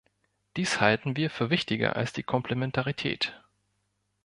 Dies halten wir für wichtiger als die Komplementarität.